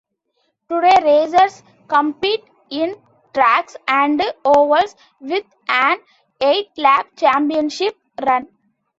Today, racers compete in drags and ovals, with an eight-lap championship run.